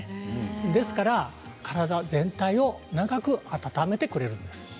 ですから体全体を長く温めてくれるんです。